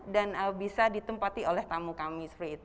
dan bisa ditempati oleh tamu kami